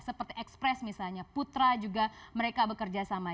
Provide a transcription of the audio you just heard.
seperti express misalnya putra juga mereka bekerja sama